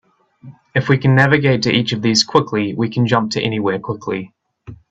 If we can navigate to each of these quickly, we can jump to anywhere quickly.